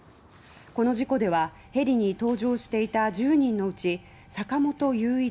この事故ではヘリに搭乗していた１０人のうち坂本雄一